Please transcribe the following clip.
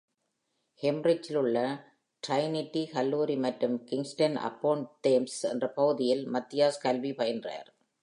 Cambridgeஇல் உள்ள டிரைனிட்டி கல்லூரி மற்றும் Kingston upon Thames என்ற பகுதியில் மத்தியாஸ் கல்வி பயின்றார்.